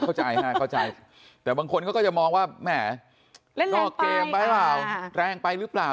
เข้าใจค่ะเข้าใจแต่บางคนก็จะมองว่าแม่เล่นแรงไปหรือเปล่า